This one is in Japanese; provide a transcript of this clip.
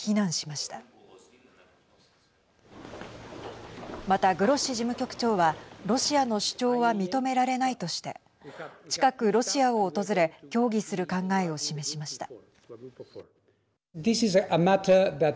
また、グロッシ事務局長はロシアの主張は認められないとして近くロシアを訪れ協議する考えを示しました。